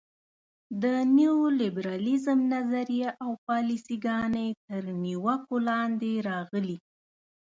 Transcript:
د نیولیبرالیزم نظریه او پالیسي ګانې تر نیوکو لاندې راغلي.